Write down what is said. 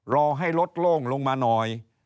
รอให้รถโล่งลงมาหน่อย